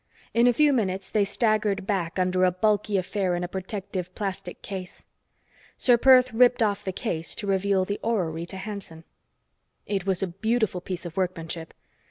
In a few minutes, they staggered back under a bulky affair in a protective plastic case. Ser Perth stripped off the case to reveal the orrery to Hanson. It was a beautiful piece of workmanship.